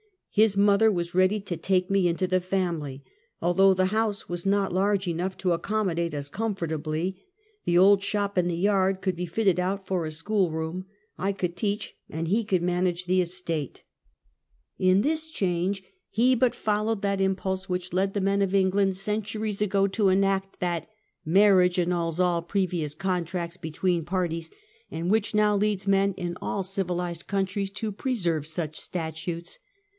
His mother was ready to take me into the family, — although the house was not large enough to accommodate us comfortably — the old shop in the yard could be fitted up for a school room. I could teach and he could manage the estate. 42 Half a Centuet. In this change, he but followed that impulse which led the men of England, centuries ago, to enact, that " marriage annuls all previous contracts between the parties," and which now leads men in all civilized countries to preserve such statutes.